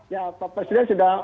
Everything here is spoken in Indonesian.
ya pak presiden sudah